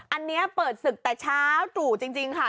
อันนี้เปิดศึกแต่เช้าตรู่จริงค่ะ